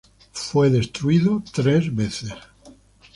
Fue destruido tres veces.